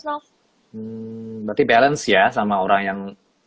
berarti balance ya sama orang yang